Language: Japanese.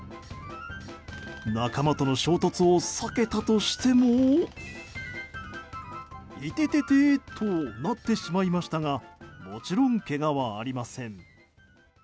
仲間との衝突を避けたとしても痛てててとなっていましたがもちろん、けがはありません。